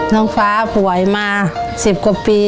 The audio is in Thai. น้องฟ้าป่วยมา๑๐กว่าปี